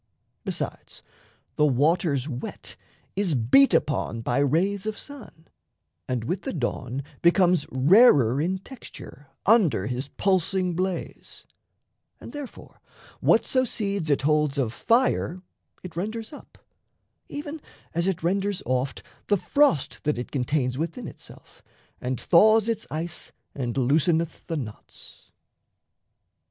Besides, the water's wet is beat upon By rays of sun, and, with the dawn, becomes Rarer in texture under his pulsing blaze; And, therefore, whatso seeds it holds of fire It renders up, even as it renders oft The frost that it contains within itself And thaws its ice and looseneth the knots.